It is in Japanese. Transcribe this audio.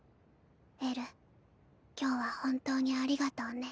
える今日は本当にありがとうね。